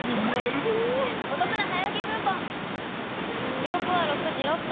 時刻は６時６分。